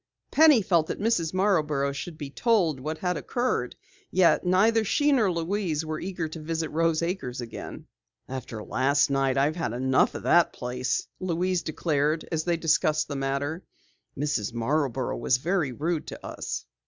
Penny felt that Mrs. Marborough should be told what had occurred, yet neither she nor Louise were eager to visit Rose Acres again. "After last night I've had enough of that place," Louise declared as they discussed the matter. "Mrs. Marborough was very rude to us."